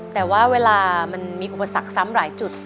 แต่ว่าเวลามันมีอุปสรรคซ้ำหลายจุด